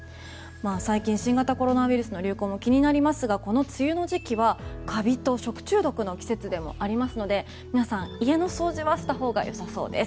最近、新型コロナウイルスの流行も気になりますが梅雨の時期はカビと食中毒の時期ですので家の掃除はしたほうがよさそうです。